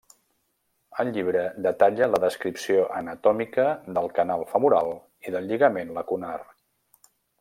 Al llibre detalla la descripció anatòmica del canal femoral i del lligament lacunar.